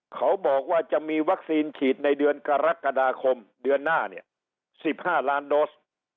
เขาบอกว่าจะมีวัคซีนฉีดในเดือนกรกฎาคมเดือนหน้าเนี่ย๑๕ล้านโดส